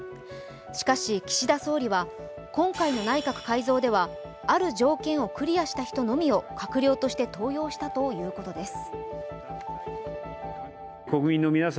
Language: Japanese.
しかし岸田総理は今回の内閣改造ではある条件をクリアした人のみを閣僚として登用したとのことです。